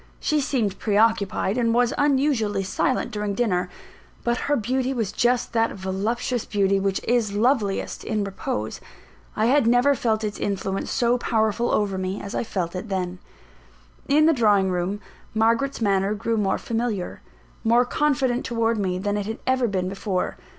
She seemed pre occupied, and was unusually silent during dinner; but her beauty was just that voluptuous beauty which is loveliest in repose. I had never felt its influence so powerful over me as I felt it then. In the drawing room, Margaret's manner grew more familiar, more confident towards me than it had ever been before.